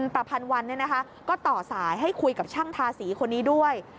ประพันวันก็ต่อสายให้คุยกับช่างทาสีคนนี้ด้วย